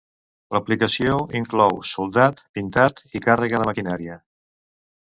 L'aplicació inclou soldat, pintat i càrrega de maquinària.